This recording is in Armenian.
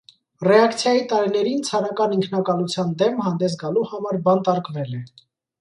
Ռեակցիայի տարիներին ցարական ինքնակալության դեմ հանդես գալու համար բանտարկվել է։